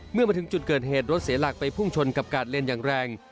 เมื่อมาถึงจุดเกิดเหตุรถเสียหลักไปพุ่งชนกับกาดเลนอย่างแรง